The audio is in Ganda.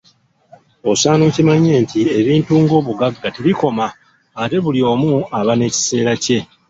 Osaana okimanye nti ebintu ng’obugagga tebikoma ate buli omu aba n’ekiseera kye.